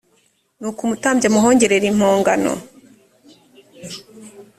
nuko umutambyi amuhongerere impongano